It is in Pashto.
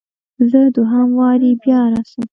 زه دوهم واري بیا راسم؟